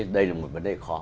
đây là một vấn đề khó